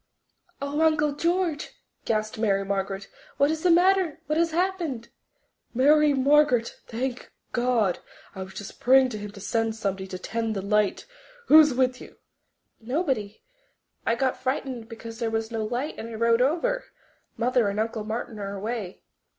"Oh, Uncle George," gasped Mary Margaret, "what is the matter? What has happened?" "Mary Margaret! Thank God! I was just praying to Him to send somebody to 'tend the light. Who's with you?" "Nobody.... I got frightened because there was no light and I rowed over. Mother and Uncle Martin are away."